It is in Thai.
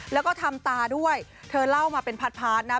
แล้วก็ทำตาด้วยเธอเล่ามาเป็นพาร์ทนะ